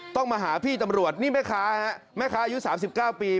ต้องมาหาพี่ตำรวจนี่แม่ค้าฮะแม่ค้าอายุ๓๙ปี